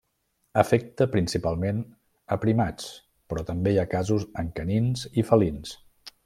Afecta principalment a primats però també hi ha casos en canins i felins.